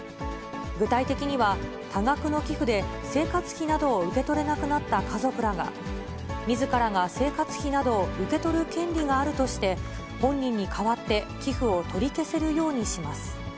具体的には、多額の寄付で生活費などを受け取れなくなった家族らが、みずからが生活費などを受け取る権利があるとして、本人に代わって寄付を取り消せるようにします。